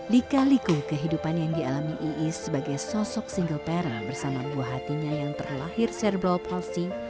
lika liku kehidupan yang dialami iis sebagai sosok single pare bersama buah hatinya yang terlahir cerbral policy